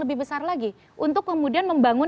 lebih besar lagi untuk kemudian membangun